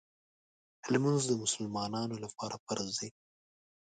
لمونځ د مسلمانانو لپاره فرض دی.